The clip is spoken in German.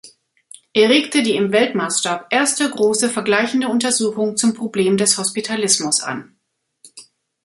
Er regte die im Weltmaßstab erste große vergleichende Untersuchung zum Problem des Hospitalismus an.